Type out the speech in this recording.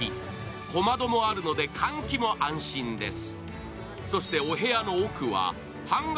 小窓もあるので換気も安心です。